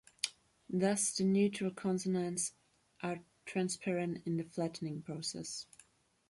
Thus, the neutral consonants aretransparen in the flattening process.